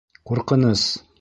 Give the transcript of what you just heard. ҠУРҠЫНЫС!